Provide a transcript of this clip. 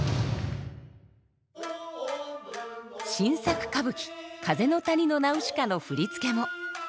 新作歌舞伎「風の谷のナウシカ」の振付も。